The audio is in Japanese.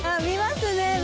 見ますね。